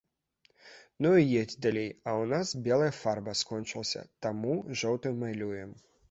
Ну і едзь далей, а ў нас белая фарба скончылася, таму жоўтай малюем.